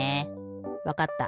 わかった。